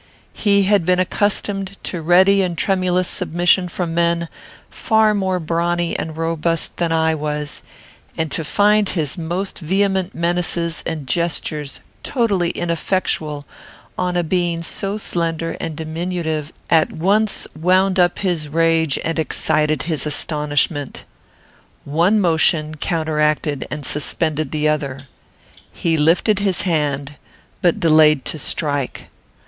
He had been accustomed to ready and tremulous submission from men far more brawny and robust than I was, and to find his most vehement menaces and gestures totally ineffectual on a being so slender and diminutive at once wound up his rage and excited his astonishment. One motion counteracted and suspended the other. He lifted his hand, but delayed to strike.